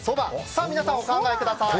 さあ、皆さん、お考えください。